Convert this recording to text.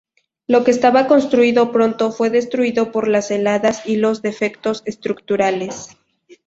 Lo que estaba construido pronto fue destruido por las heladas y los defectos estructurales.